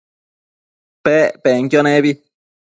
Pec penquio nebi